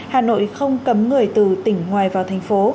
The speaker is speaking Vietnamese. hà nội không cấm người từ tỉnh ngoài vào thành phố